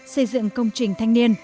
xây dựng công trình thanh niên